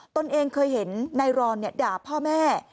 ตนเองเคยเห็นนายรอนด่าพ่อแม่